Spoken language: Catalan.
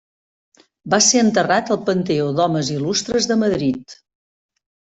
Va ser enterrat al Panteó d'Homes Il·lustres de Madrid.